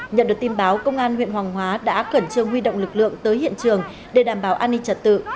nhận được tin báo công an huyện hoàng hóa đã khẩn trương huy động lực lượng tới hiện trường để đảm bảo an ninh trật tự